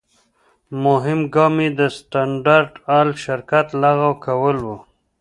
مهم ګام یې د سټنډرد آیل شرکت لغوه کول و.